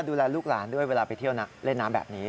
ดูแลลูกหลานด้วยเวลาไปเที่ยวเล่นน้ำแบบนี้